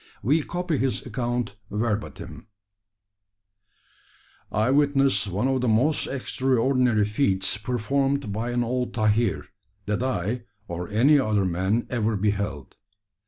We copy his account verbatim: "I witnessed one of the most extraordinary feats performed by an old tahir, that I, or any other man, ever beheld.